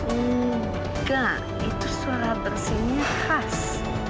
enggak itu suara bersihnya khas